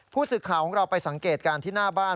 ผู้สื่อข่าวของเราไปสังเกตการณ์ที่หน้าบ้าน